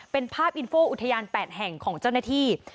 เป็นภาพอินโฟอุทยาน๘แห่งของเจ้าหน้าที่